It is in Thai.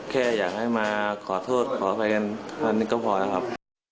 แค่อยากให้มาขอโทษขออภัยกันอันนี้ก็พอแล้วครับ